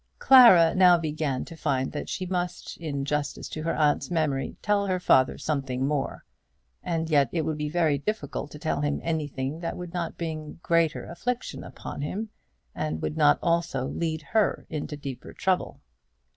Clara now began to find that she must in justice to her aunt's memory tell her father something more. And yet it would be very difficult to tell him anything that would not bring greater affliction upon him, and would not also lead her into deeper trouble.